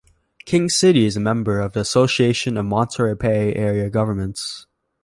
King City is a member of the Association of Monterey Bay Area Governments.